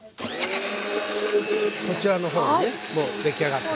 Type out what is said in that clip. こちらの方にねもう出来上がってます。